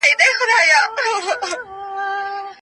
پایلې شریکې شوې.